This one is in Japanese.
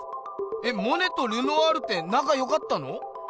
えっモネとルノワールってなかよかったの？